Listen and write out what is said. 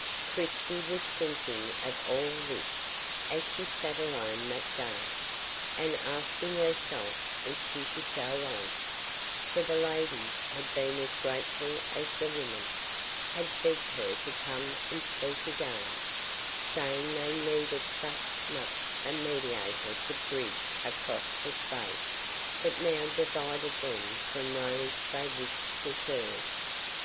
Christie was thinking of all this as she sat alone that day, and asking herself if she should go on; for the ladies had been as grateful as the women; had begged her to come and speak again, saying they needed just such a mediator to bridge across the space that now divided them from those they wished to serve.